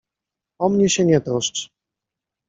O mnie się nie troszcz.